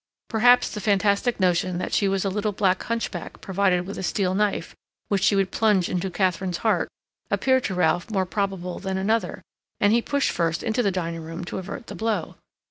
Perhaps the fantastic notion that she was a little black hunchback provided with a steel knife, which she would plunge into Katharine's heart, appeared to Ralph more probable than another, and he pushed first into the dining room to avert the blow.